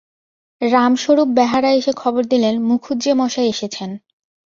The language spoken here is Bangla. রামস্বরূপ বেহারা এসে খবর দিলে মুখুজ্যেমশায় এসেছেন।